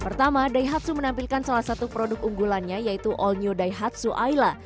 pertama daihatsu menampilkan salah satu produk unggulannya yaitu all new daihatsu aila